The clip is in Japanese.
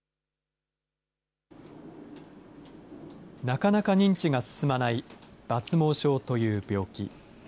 なかなか認知が進まない抜毛症という病気。